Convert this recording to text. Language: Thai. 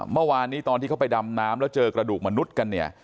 เมื่อวานนี้ตอนที่เขาไปดำน้ำแล้วเจอกระดูกมนุษย์กันเนี่ย